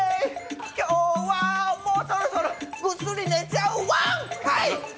今日はもうそろそろぐっすり寝ちゃうワン。